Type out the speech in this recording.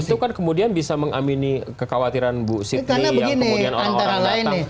itu kan kemudian bisa mengamini kekhawatiran bu sidney yang kemudian orang orang datang